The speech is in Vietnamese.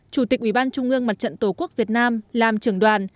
chủ tịch ủy ban trung ương mặt trận tổ quốc việt nam làm trưởng đoàn